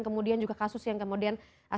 kemudian juga kasus yang kemudian saat ini berjalan